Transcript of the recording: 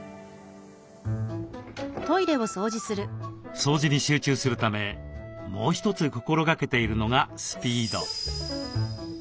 掃除に集中するためもう一つ心がけているのがスピード。